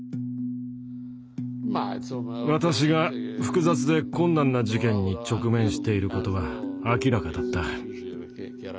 私が複雑で困難な事件に直面していることは明らかだった。